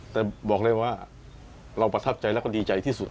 แต่บอกเลยว่าเราประทับใจแล้วก็ดีใจที่สุด